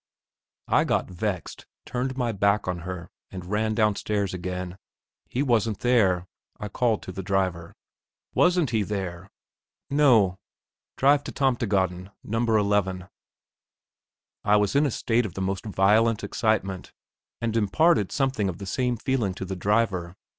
I got vexed, turned my back on her, and ran downstairs again. "He wasn't there," I called to the driver. "Wasn't he there?" "No. Drive to Tomtegaden, No. 11." I was in a state of the most violent excitement, and imparted something of the same feeling to the driver.